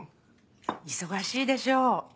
忙しいでしょう。